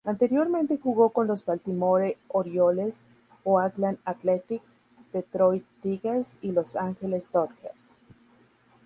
Anteriormente jugó con los Baltimore Orioles, Oakland Athletics, Detroit Tigers y Los Angeles Dodgers.